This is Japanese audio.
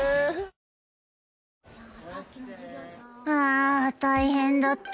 あ大変だった。